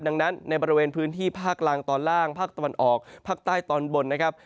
ดังนั้นในบริเวณพื้นที่ภาคล่างตอนล่างภาคตะวันออกภาคใต้ตอนบนนะครับ